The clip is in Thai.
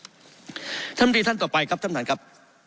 ท่านบรีท่านต่อไปครับท่านประธานครับ